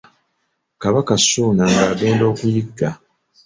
Kabaka Ssuuna ng’agenda okuyigga.